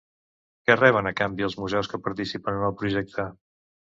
Què reben a canvi els museus que participen en el projecte?